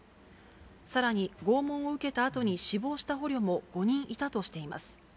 さらに、拷問を受けたあとに死亡した捕虜も５人いたとしています。